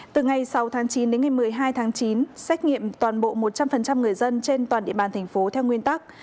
từ ngày sáu tháng chín đến ngày một mươi hai tháng chín xét nghiệm toàn bộ một trăm linh người dân trên toàn địa bàn thành phố theo nguyên tắc